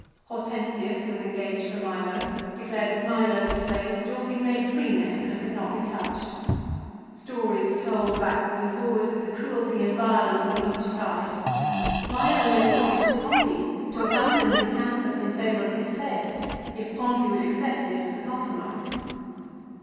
Hortensius, who was engaged for Milo, declared that Milo's slaves had all been made free men and could not be touched. Stories were told backwards and forwards of the cruelty and violence on each side. Milo made an offer to Pompey to abandon his canvass in favour of Hypsseus, if Pompey would accept this as a compromise.